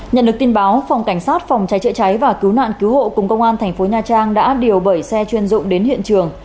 nhận được tin báo phòng cảnh sát phòng cháy chữa cháy và cứu nạn cứu hộ cùng công an thành phố nha trang đã điều bảy xe chuyên dụng đến hiện trường